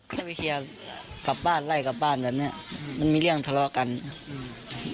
ไปครับกลับบ้านไล่กลับบ้านแบบเนี้ยมันมีเรื่องทะเลาะกันอืมโห